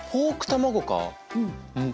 うん。